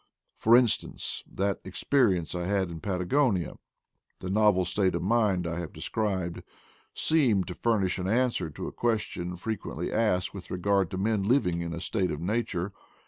For instance, that experience I had in Patagonia — the novel state of mind I have de scribed — seemed to furnish an answer to a ques tion frequently asked with regard to men living in a state of nature.